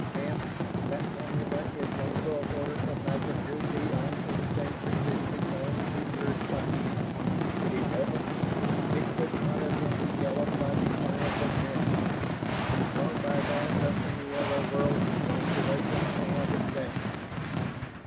"Tenth, that formula is one full order of magnitude beyond anything previously known to your science. Eleventh, it could not have been developed by the science of Terra, nor by that of any other world whose population I have examined."